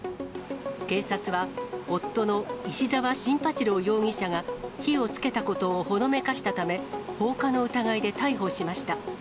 警察は、夫の石沢真八郎容疑者が、火をつけたことをほのめかしたため、放火の疑いで逮捕しました。